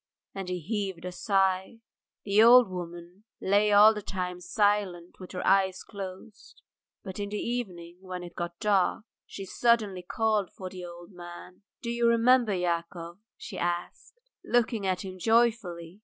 And he heaved a sigh. The old woman lay all the time silent with her eyes closed. But in the evening, when it got dark, she suddenly called the old man. "Do you remember, Yakov," she asked, looking at him joyfully.